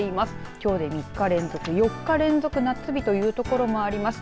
きょうで３日連続、４日連続夏日という所もあります。